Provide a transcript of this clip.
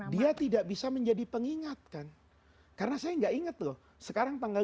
dia tidak bisa menjadi pengingatkan karena saya nggak inget loh sekarang tanggal lima belas